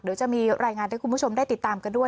เดี๋ยวจะมีรายงานให้คุณผู้ชมได้ติดตามกันด้วย